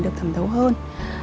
được thẩm thấu hơn